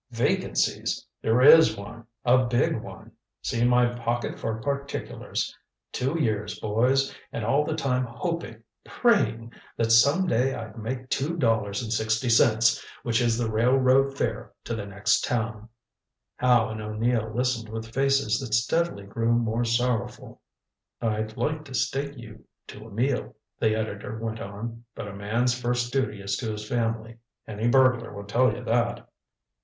Vacancies! There is one a big one. See my pocket for particulars. Two years, boys. And all the time hoping praying that some day I'd make two dollars and sixty cents, which is the railroad fare to the next town." Howe and O'Neill listened with faces that steadily grew more sorrowful. "I'd like to stake you to a meal," the editor went on. "But a man's first duty is to his family. Any burglar will tell you that."